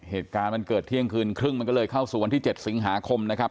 เหตุการณ์มันเกิดเที่ยงคืนครึ่งมันก็เลยเข้าสู่วันที่๗สิงหาคมนะครับ